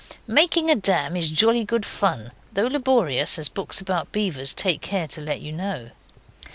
Making a dam is jolly good fun, though laborious, as books about beavers take care to let you know.